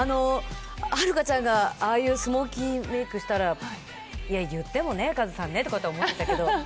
はるかちゃんが、ああいうスモーキーアイメイクしたら言ってもねとか思ってたけどね